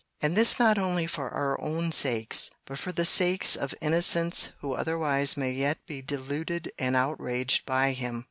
And this not only for our own sakes, but for the sakes of innocents who otherwise may yet be deluded and outraged by him.